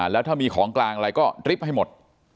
แล้วถ้ามีของกลางอะไรก็ริบให้หมด